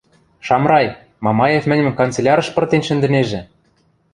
— Шамрай, Мамаев мӹньӹм канцелярш пыртен шӹндӹнежӹ.